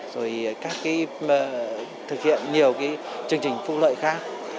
rồi thực hiện nhiều chương trình phục lợi khác